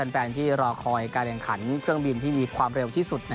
แฟนที่รอคอยการแข่งขันเครื่องบินที่มีความเร็วที่สุด